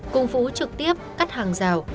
cùng phú trực tiếp cắt hàng rào